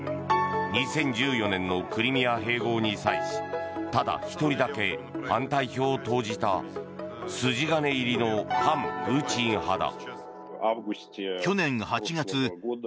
２０１４年のクリミア併合に際しただ１人だけ反対票を投じた筋金入りの反プーチン派だ。